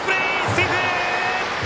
セーフ！